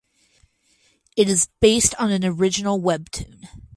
It is based on an original webtoon.